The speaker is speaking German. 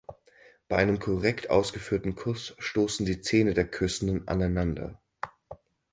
Bei einem korrekt ausgeführten Kuss stoßen die Zähne der Küssenden aneinander.